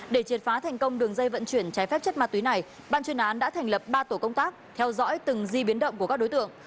để triệt phá thành công đường dây vận chuyển trái phép chất ma túy này ban chuyên án đã thành lập ba tổ công tác theo dõi từng di biến động của các đối tượng